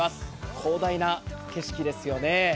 広大な景色ですよね。